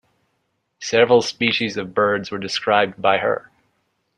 Several species of birds were described by her.